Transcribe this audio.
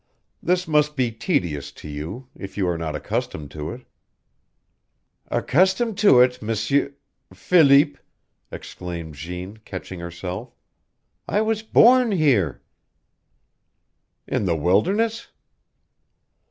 "This must be tedious to you, if you are not accustomed to it." "Accustomed to it, M'sieur Philip!" exclaimed Jeanne, catching herself. "I was born here!" "In the wilderness?"